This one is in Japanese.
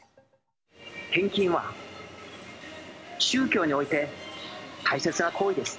献金は宗教において大切な行為です。